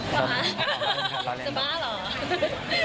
ต่อแอปจะบ้าเหรอ